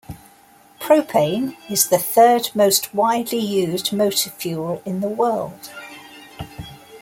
Propane is the third most widely used motor fuel in the world.